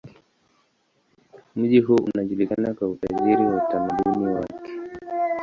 Mji huo unajulikana kwa utajiri wa utamaduni wake.